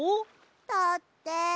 だって。